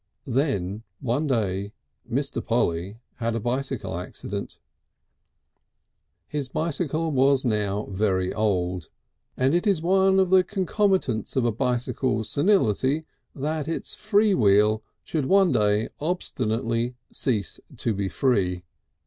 Then one day Mr. Polly had a bicycle accident. His bicycle was now very old, and it is one of the concomitants of a bicycle's senility that its free wheel should one day obstinately cease to be free.